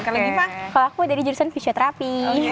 kalau aku dari jurusan fisioterapi